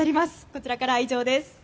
こちらからは以上です。